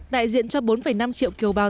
đại diện cho bốn năm triệu kiều bào